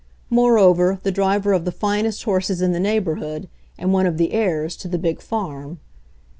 Moreover, the driver of the finest horses in the neighborhood, and one of the heirs to the big farm.